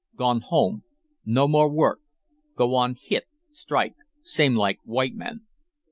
"Gone home. No more work. Go on hit strike same like white men."